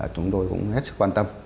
chúng tôi cũng hết sức quan tâm